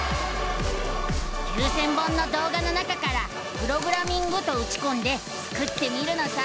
９，０００本の動画の中から「プログラミング」とうちこんでスクってみるのさ！